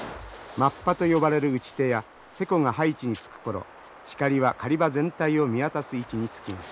マッパと呼ばれる撃ち手や勢子が配置につく頃シカリは狩り場全体を見渡す位置につきます。